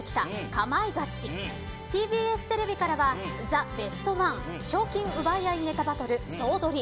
かまいガチＴＢＳテレビからはザ・ベストワン賞金奪い合いネタバトルソウドリ。